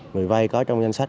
người vay có trong danh sách